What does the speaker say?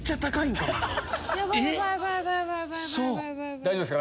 大丈夫ですか？